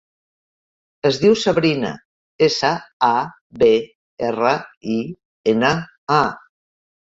Es diu Sabrina: essa, a, be, erra, i, ena, a.